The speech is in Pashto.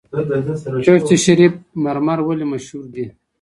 چشت شریف مرمر ولې مشهور دي؟